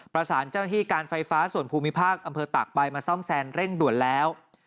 ประสานเจ้าหน้าที่การไฟฟ้าส่วนภูมิภาคอำเภอตากใบมาซ่อมแซมเร่งด่วนแล้ว